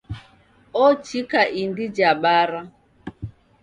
Ochika indi ja bara.